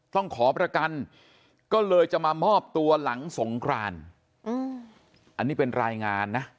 ขอประกันก็เลยจะมามอบตัวหลังสงครานอันนี้เป็นรายงานนะ